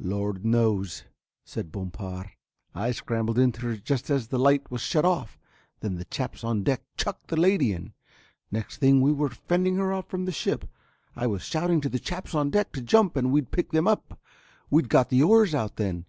"Lord knows," said Bompard. "I scrambled into her just as the light was shut off, then the chaps on deck chucked the lady in. Next thing we were fending her off from the ship. I was shouting to the chaps on deck to jump and we'd pick them up, we'd got the oars out then.